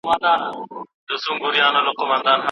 د وخت د سپما له پاره تل خپل کارونه مخکي له مخکي لیست کړئ.